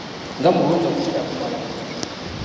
Nga mulungi okukirako malayika!